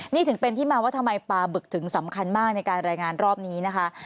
นี่ถึงเป็นที่มาว่าทำไมปลาบึกถึงสำคัญมากในการรายงานรอบนี้นะคะ